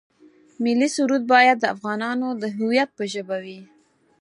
ملي سرود باید د افغانانو د هویت په ژبه وي.